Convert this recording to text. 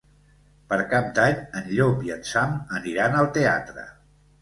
Per Cap d'Any en Llop i en Sam aniran al teatre.